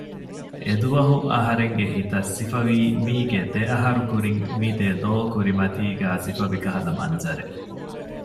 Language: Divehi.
އެދުވަހު އަހަރެންގެ ހިތަށް ސިފަވީ މީގެ ދެ އަހަރު ކުރިން މި ދެލޯ ކުރިމަތީގައި ސިފަވި ކަހަލަ މަންޒަރެއް